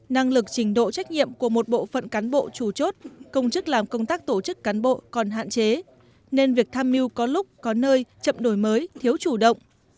năng lực trình độ trách nhiệm của một bộ phận cán bộ chủ chốt công chức làm công tác tổ chức cán bộ còn hạn chế nên việc tham mưu có lúc có nơi chậm đổi mới thiếu chủ động